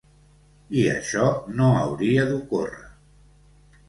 I això no hauria d’ocórrer.